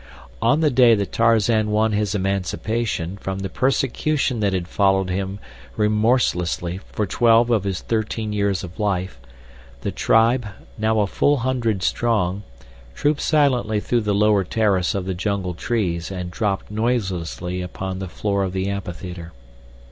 On the day that Tarzan won his emancipation from the persecution that had followed him remorselessly for twelve of his thirteen years of life, the tribe, now a full hundred strong, trooped silently through the lower terrace of the jungle trees and dropped noiselessly upon the floor of the amphitheater.